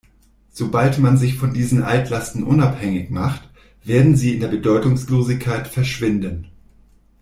Sobald man sich von diesen Altlasten unabhängig macht, werden sie in der Bedeutungslosigkeit verschwinden.